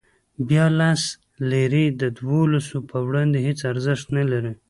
بیا لس لیرې د دولسو په وړاندې هېڅ ارزښت نه لري.